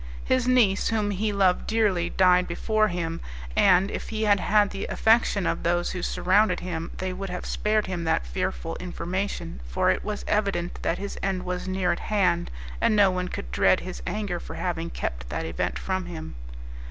His niece, whom he loved dearly, died before him, and, if he had had the affection of those who surrounded him, they would have spared him that fearful information, for it was evident that his end was near at hand, and no one could dread his anger for having kept that event from him.